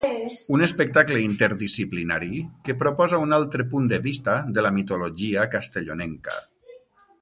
Un espectacle interdisciplinari que proposa un altre punt de vista de la mitologia castellonenca.